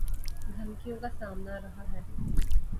دھمکیوں کا سامنا رہا ہے